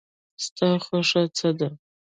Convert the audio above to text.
ستا خوښی څه ده؟